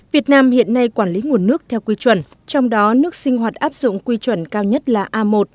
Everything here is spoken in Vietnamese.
việt nam hiện nay quản lý nguồn nước theo quy chuẩn trong đó nước sinh hoạt áp dụng quy chuẩn cao nhất là a một